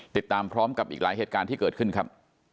ติดตามพร้อมกับอีกหลายเหตุการณ์ที่เกิดขึ้นครับ